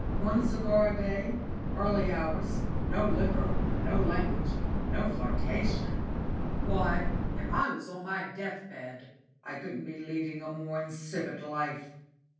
One cigar a day, early hours, no liquor, no language, no flirtation why, if I was on my death bed I couldn't be leading a more insipid life.